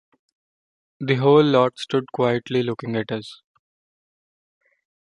The whole lot stood quietly looking at us.